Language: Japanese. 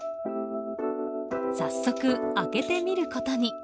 早速、開けてみることに。